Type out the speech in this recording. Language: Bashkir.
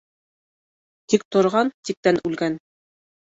Тик торған тиктән үлгән.